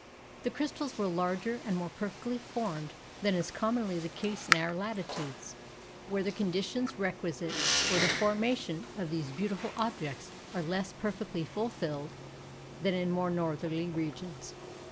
The crystals were larger and more perfectly formed than is commonly the case in our latitudes, where the conditions requisite for the formation of these beautiful objects are less perfectly fulfilled than in more northerly regions.